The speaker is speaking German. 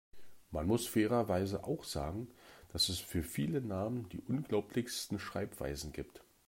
Man muss fairerweise auch sagen, dass es für viele Namen die unglaublichsten Schreibweisen gibt.